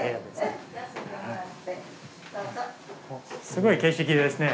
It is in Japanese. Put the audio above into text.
すごい景色ですね。